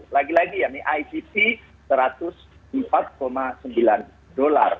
lagi lagi ya ini icb satu ratus empat sembilan dollar